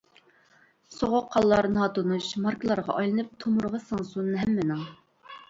سوغۇق قانلار ناتونۇش، ماركىلارغا ئايلىنىپ تومۇرىغا سىڭسۇن ھەممىنىڭ.